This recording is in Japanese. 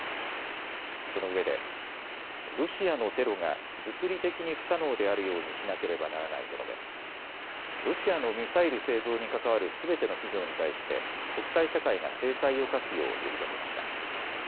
そのうえでロシアのテロが物理的に不可能であるようにしなければならないと述べロシアのミサイル製造に関わるすべての企業に対して国際社会が制裁を科すよう呼びかけました。